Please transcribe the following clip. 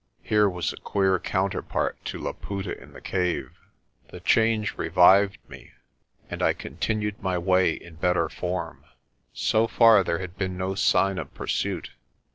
Here was a queer counterpart to Laputa in the cave! The change revived me, and I continued my way in bet ter form. So far there had been no sign of pursuit.